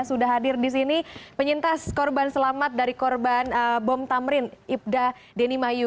sudah hadir di sini penyintas korban selamat dari korban bom tamrin ibda denimayu